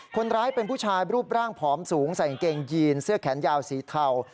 คนร้ายเป็นผู้ชายรูปร่างผอมสูงใส่กางเกงยีนเสื้อแขนยาวสีเทา